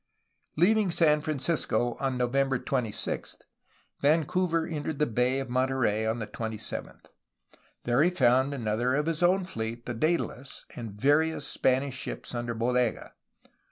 Leaving San Francisco on November 26, Vancouver en tered the Bay of Monterey on the 27th. Here he found another of his own fleet, the Daedalus, and various Spanish ships under Bodega.